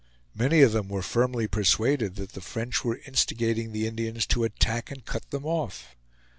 Many of them were firmly persuaded that the French were instigating the Indians to attack and cut them off.